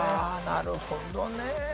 なるほどね。